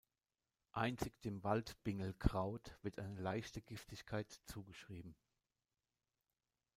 Einzig dem Wald-Bingelkraut wird eine leichte Giftigkeit zugeschrieben.